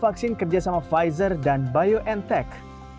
vaksin kerja sama pfizer dan biontech